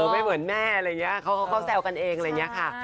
ไม่เหมือนแม่อะไรเงี้ยเค้าแซวกันเองอะไรเงี้ยค่ะ